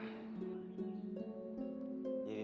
kita meeting dimana ya